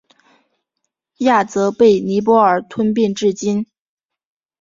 亚泽被尼泊尔吞并至今。